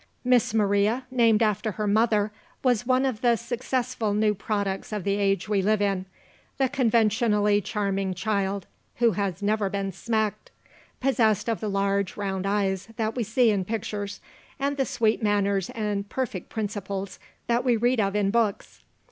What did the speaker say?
Miss Maria, named after her mother, was one of the successful new products of the age we live in the conventionally charming child (who has never been smacked); possessed of the large round eyes that we see in pictures, and the sweet manners and perfect principles that we read of in books.